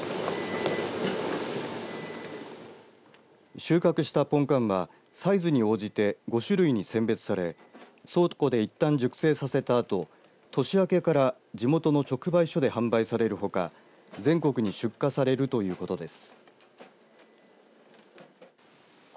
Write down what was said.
収穫したポンカンはサイズに応じて５種類に選別され倉庫でいったん熟成させたあと年明けから地元の直売所で販売されるほか全国に出荷されるということです。